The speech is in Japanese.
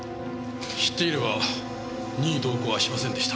「知っていれば任意同行はしませんでした」